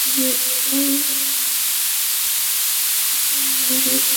আমি এতটা মাতাল না।